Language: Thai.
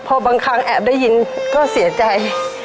พอบางครั้งแอบได้ยินก็เสียใจ